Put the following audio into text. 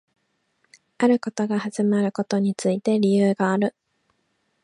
あることが始まることについて理由がある